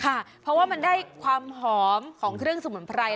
ค่ะเพราะว่ามันได้ความหอมของเครื่องสมุนไพร